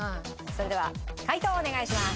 それでは解答をお願いします。